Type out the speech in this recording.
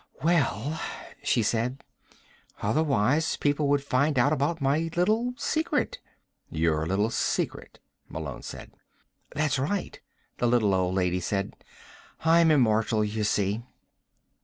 "Well," she said, "otherwise people would find out about my little secret." "Your little secret," Malone said. "That's right," the little old lady said. "I'm immortal, you see."